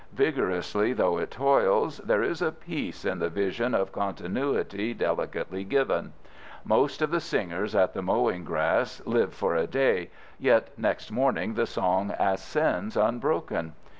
Vigorously though it toils, there is a peace in the vision of continuity delicately given. Most of the singers in the mowing grass live for a day, yet next morning the song ascends unbroken.